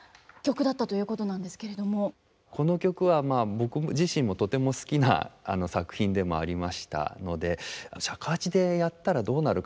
この曲は僕自身もとても好きな作品でもありましたので尺八でやったらどうなるかな。